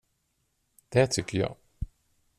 Det tycker jag.